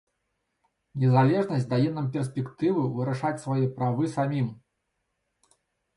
Незалежнасць дае нам перспектыву вырашаць свае справы самім.